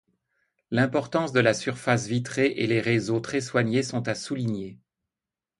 L'importance de la surface vitrée et les réseaux très soignés sont à souligner.